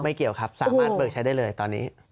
เกี่ยวครับสามารถเบิกใช้ได้เลยตอนนี้